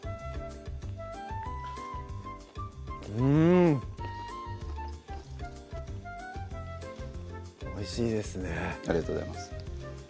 うんおいしいですねありがとうございます